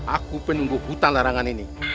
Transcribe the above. aku penunggu hutan larangan ini